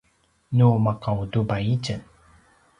nu maka utubay itjen